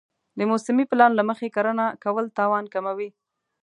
د موسمي پلان له مخې کرنه کول تاوان کموي.